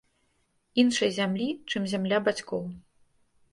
Іншай зямлі, чым зямля бацькоў.